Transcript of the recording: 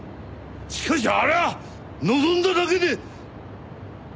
しかしあれは望んだだけで。